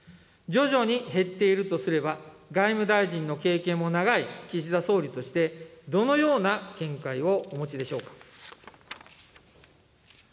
徐々に減っているとすれば、外務大臣の経験も長い岸田総理として、どのような見解をお持ちでしょうか。